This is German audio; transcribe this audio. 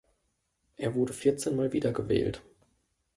Er wurde vierzehn mal wiedergewählt.